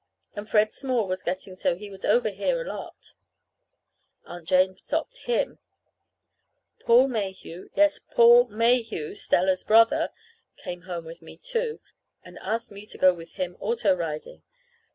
And Fred Small was getting so he was over here a lot. Aunt Jane stopped him. Paul Mayhew yes, Paul Mayhew, Stella's brother! came home with me, too, and asked me to go with him auto riding.